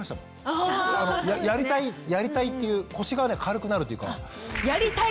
あそうですね。やりたいやりたいという腰が軽くなるというか。